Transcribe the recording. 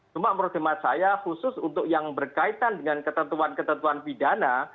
cuma menurut hemat saya khusus untuk yang berkaitan dengan ketentuan ketentuan pidana